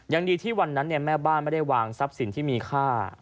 ยังดีที่วันนั้นแม่บ้านไม่ได้วางทรัพย์สินที่มีค่า